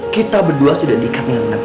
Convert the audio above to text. kita berdua sudah diikat dengan anak takdir